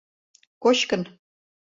Кочкын...